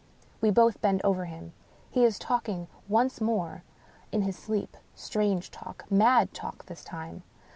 We both bend over him. He is talking once more in his sleep — strange talk, mad talk, this time.